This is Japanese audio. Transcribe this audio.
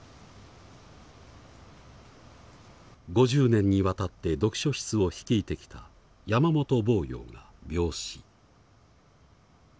５０年にわたって読書室を率いてきた山本亡羊が病死。